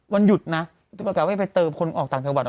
วันหยุดนะทุกประกาศไว้ไปเติมคนตามถังจังหวัด